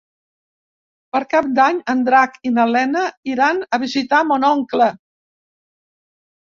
Per Cap d'Any en Drac i na Lena iran a visitar mon oncle.